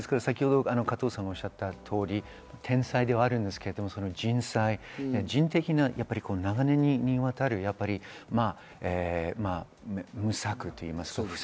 加藤さんがおっしゃった通り、天災ではあるんですけれど、人災、人的な長年に渡る無策と言いますか、不策。